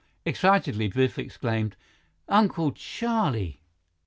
Excitedly, Biff exclaimed, "Uncle Charlie!"